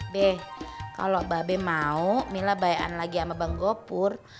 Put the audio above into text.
be kalau babek mau mila bayangin lagi sama bang gopur